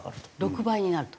６倍になると。